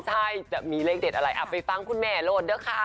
ใช่จะมีเลขเด็ดอะไรไปฟังคุณแม่โรดด้วยค่ะ